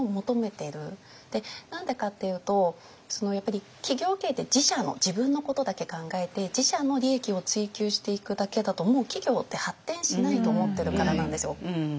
何でかっていうとやっぱり企業経営って自社の自分のことだけ考えて自社の利益を追求していくだけだともう企業って発展しないと思ってるからなんですよ。